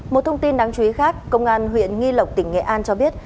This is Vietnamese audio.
một thông tin đáng chú ý khác công an huyện nghi lộc tỉnh nghệ an cho biết